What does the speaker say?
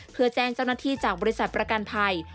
เพื่อแจ้งเจ้าหน้าที่จากบริษัทประกันภัย